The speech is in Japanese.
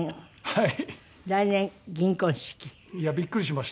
はい。